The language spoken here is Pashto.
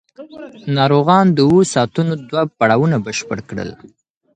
ناروغان د اوو ساعتونو دوه پړاوونه بشپړ کړل.